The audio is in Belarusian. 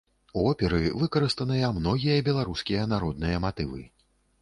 У оперы выкарыстаныя многія беларускія народныя матывы.